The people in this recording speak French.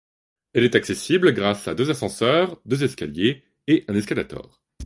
Elle est accessible grâce à deux ascenseurs, deux escaliers et un escalator.